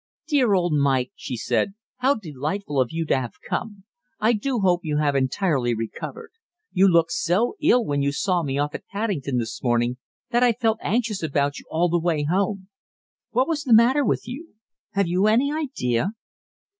"Dear old Mike," she said, "how delightful of you to have come. I do hope you have entirely recovered. You looked so ill when you saw me off at Paddington this morning that I felt anxious about you all the way home. What was the matter with you? Have you any idea?"